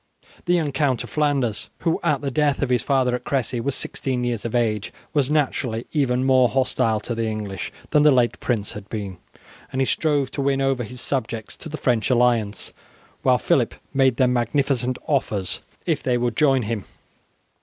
The young Count of Flanders, who, at the death of his father at Cressy, was sixteen years of age, was naturally even more hostile to the English than the late prince had been, and he strove to win over his subjects to the French alliance, while Phillip made them magnificent offers if they would join him.